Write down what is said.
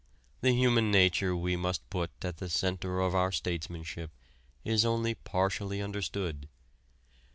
The human nature we must put at the center of our statesmanship is only partially understood.